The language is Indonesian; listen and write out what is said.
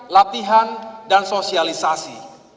latihan dan sosialisasi